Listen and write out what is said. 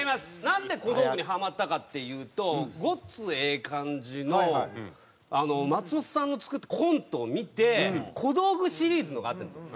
なんで小道具にハマったかっていうと『ごっつええ感じ』の松本さんの作ったコントを見て小道具シリーズのがあったんですよ。